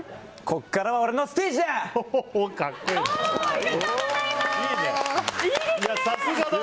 ここからは俺のステージだ！